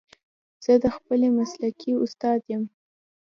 زه د پخلي مسلکي استاد یم